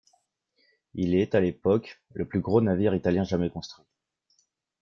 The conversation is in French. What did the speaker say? Il est, à l'époque, le plus gros navire italien jamais construit.